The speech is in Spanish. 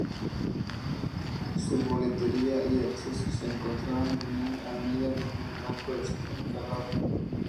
Su boletería y acceso se encontraban en Avenida Manuel Blanco Encalada.